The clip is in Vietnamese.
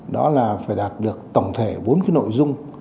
đó là phải đạt được tổng thể bốn cái nội dung